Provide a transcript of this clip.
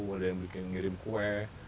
ada yang bikin ngirim kue